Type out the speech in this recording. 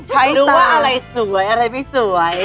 เหรดูว่านานาสวยอะไรไม่สวย